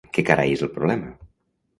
Què carai és el problema?